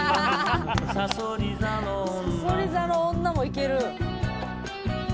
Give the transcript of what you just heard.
「さそり座の女」もいける。